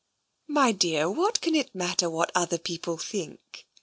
" My dear, what can it matter what other people think?